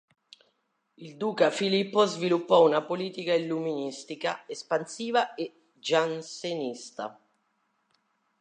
Il duca Filippo sviluppò una politica illuministica, espansiva e giansenista.